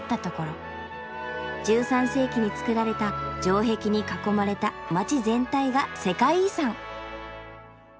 １３世紀に造られた城壁に囲まれた街全体が世界遺産！